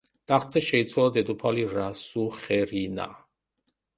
ტახტზე შეცვალა დედოფალი რასუხერინა.